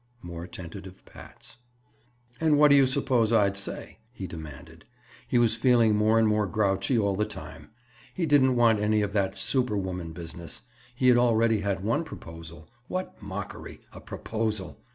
More tentative pats. "And what do you suppose I'd say?" he demanded. He was feeling more and more grouchy all the time. He didn't want any of that "superwoman" business. He had already had one proposal. What mockery! A proposal!